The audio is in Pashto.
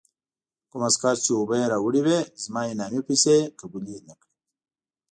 کوم عسکر چې اوبه یې راوړې وې، زما انعامي پیسې یې قبول نه کړې.